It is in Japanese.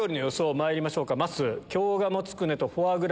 まいりましょうかまっすー。